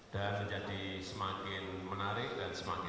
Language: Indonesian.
dan menjadi semakin menarik dan semakin indah